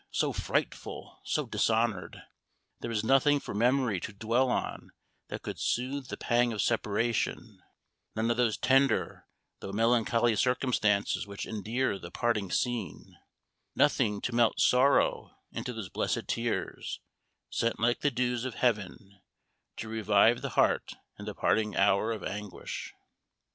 so frightful, so dishonored! There was nothing for memory to dwell on that could soothe the pang of separation none of those tender, though melancholy circumstances which endear the parting scene nothing to melt sorrow into those blessed tears, sent like the dews of heaven, to revive the heart in the parting hour of anguish.